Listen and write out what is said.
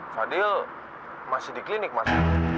fadil masih di klinik mas